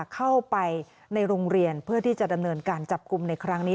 เข้าไปในโรงเรียนเพื่อที่จะดำเนินการจับกลุ่มในครั้งนี้